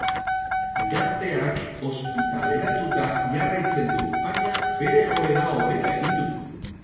Gazteak ospitaleratuta jarraitzen du, baina bere egoera hobera egin du.